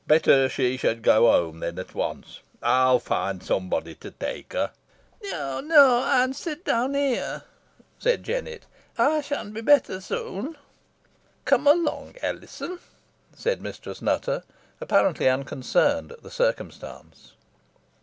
"Better she should go home then at once. I'll find somebody to take her." "Neaw, neaw, ey'n sit down here," said Jennet; "ey shan be better soon." "Come along, Alizon," said Mistress Nutter, apparently unconcerned at the circumstance.